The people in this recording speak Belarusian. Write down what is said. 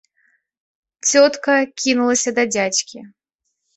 Цётка кінулася да дзядзькі.